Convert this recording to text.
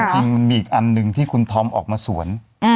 จริงมันมีอีกอันหนึ่งที่คุณธอมออกมาสวน